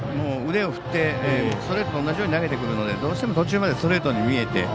腕を振ってストレートと同じように投げてくるのでどうしても途中までストレートに見えて